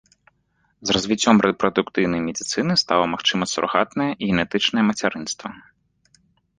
З развіццём рэпрадуктыўнай медыцыны стала магчыма сурагатнае і генетычнае мацярынства.